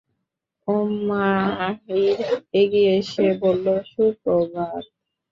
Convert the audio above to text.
উমাইর এগিয়ে এসে বলল, সুপ্রভাত।